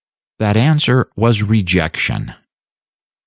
That answer was a rejection!